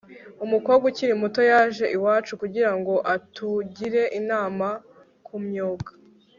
umukobwa ukiri muto yaje iwacu kugira ngo atugire inama ku myuga